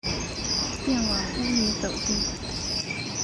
便往屋里走进